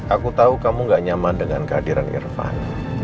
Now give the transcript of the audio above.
aku tahu kamu gak nyaman dengan kehadiran irfan